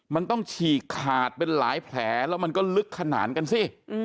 มันต้องฉีกขาดเป็นหลายแผลแล้วมันก็ลึกขนาดกันสิ